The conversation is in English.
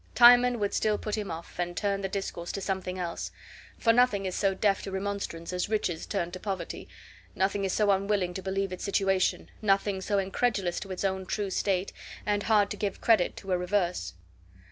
Timon would still put him off, and turn the discourse to something else; for nothing is so deaf to remonstrance as riches turned to poverty, nothing is so unwilling to believe its situation, nothing so incredulous to its own true state, and hard to give credit to a reverse.